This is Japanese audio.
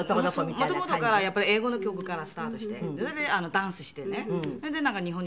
元々からやっぱり英語の曲からスタートしてそれでダンスしてねそれで日本に来て。